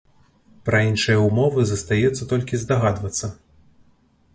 Пра іншыя ўмовы застаецца толькі здагадвацца.